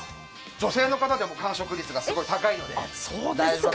女性の方でも完食率が高いので。